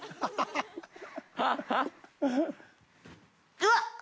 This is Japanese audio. うわっ！